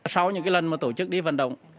sau những lần mà tổ chức đi vận động